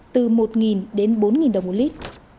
từ một đến bốn đồng một lít